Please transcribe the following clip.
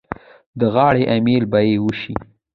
د غاړې امېل به یې شي.